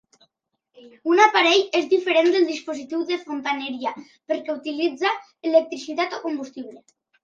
Un aparell és diferent del dispositiu de fontaneria perquè utilitza electricitat o combustible.